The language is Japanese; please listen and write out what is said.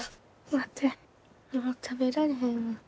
ワテもう食べられへんわ。